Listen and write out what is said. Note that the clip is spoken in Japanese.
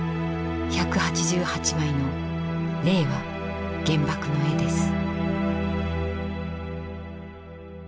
１８８枚の「令和原爆の絵」です。